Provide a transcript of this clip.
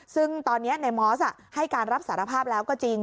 ซึ่งตอนนี้ในมอสให้การรับสารภาพแล้วก็จริง